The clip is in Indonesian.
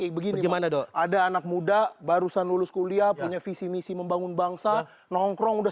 kayak begini gimana dong ada anak muda barusan lulus kuliah punya visi misi membangun bangsa nongkrong udah